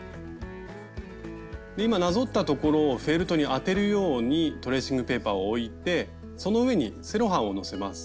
今なぞったところをフェルトに当てるようにトレーシングペーパーを置いてその上にセロハンをのせます。